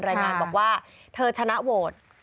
รายงานแบบว่าเธอชนะโวทธ์